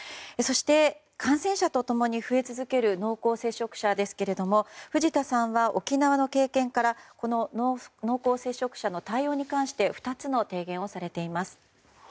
そして、感染者と共に増え続ける濃厚接触者ですけれども藤田さんは沖縄の経験からこの濃厚接触者の対応について２つの提言をされています。